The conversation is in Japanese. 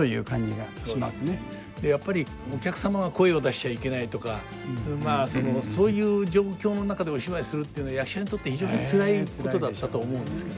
やっぱりお客様が声を出しちゃいけないとかまあそういう状況の中でお芝居するっていうのは役者にとって非常につらいことだったと思うんですけど。